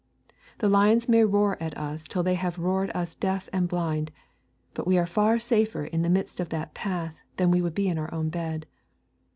The lions may roar at us till they have roared us deaf and blind, but we are far safer in the midst of that path than we would be in our own bed.